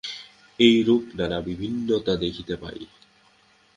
এইরূপ নানা বিভিন্নতা দেখিতে পাই।